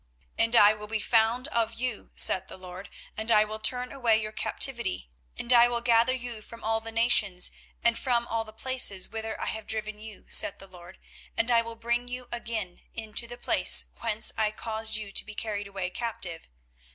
24:029:014 And I will be found of you, saith the LORD: and I will turn away your captivity, and I will gather you from all the nations, and from all the places whither I have driven you, saith the LORD; and I will bring you again into the place whence I caused you to be carried away captive.